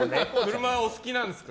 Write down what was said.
車お好きなんですか？